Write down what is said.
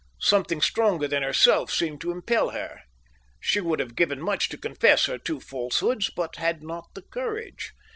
Something stronger than herself seemed to impel her. She would have given much to confess her two falsehoods, but had not the courage.